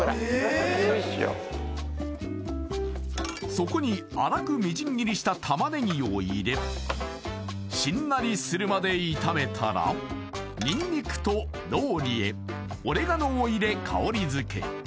そこにあらくみじん切りした玉ねぎを入れしんなりするまで炒めたらニンニクとローリエオレガノを入れ香りづけ！